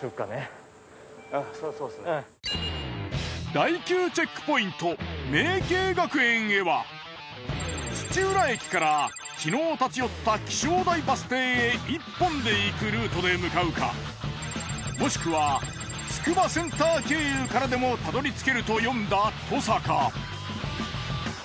第９チェックポイント茗溪学園へは土浦駅から昨日立ち寄った気象台バス停へ１本で行くルートで向かうかもしくはつくばセンター経由からでもたどりつけると読んだ登坂。